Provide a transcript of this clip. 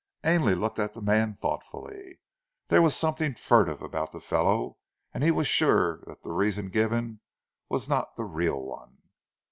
Ainley looked at the man thoughtfully. There was something furtive about the fellow, and he was sure that the reason given was not the real one.